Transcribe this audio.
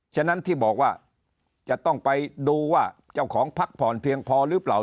ฉะนั้นที่บอกว่าจะต้องไปดูว่าเจ้าของพักผ่อนเพียงพอหรือเปล่า